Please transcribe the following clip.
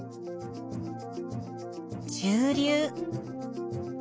中流。